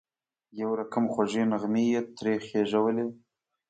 یو رقم خوږې نغمې یې ترې خېژولې.